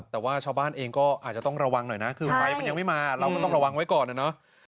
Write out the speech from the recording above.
แต่ว่าชาวบ้านเองก็อาจจะต้องระวังหน่อยนะคือไฟมันยังไม่มาเราก็ต้องระวังไว้ก่อนนะเนาะ